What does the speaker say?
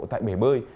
tại bể bơi